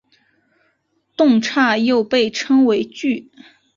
动差又被称为矩。